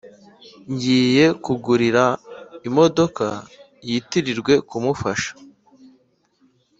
ngiye kugurira imodoka yitirirwe kumufasha